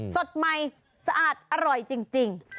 สดใหม่สะอาดอร่อยจริง